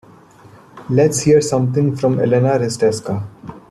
Let's hear something from Elena Risteska